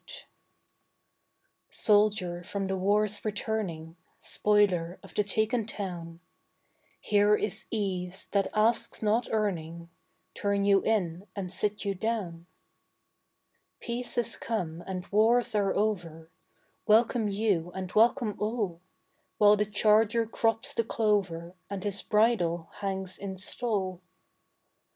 Soldier from the wars returning, Spoiler of the taken town, Here is ease that asks not earning; Turn you in and sit you down. Peace is come and wars are over, Welcome you and welcome all, While the charger crops the clover And his bridle hangs in stall.